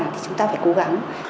thì chúng ta phải cố gắng